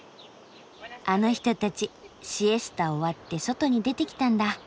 あの人たちシエスタ終わって外に出てきたんだ。